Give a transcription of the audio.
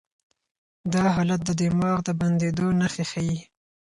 دا حالت د دماغ د بندېدو نښې ښيي.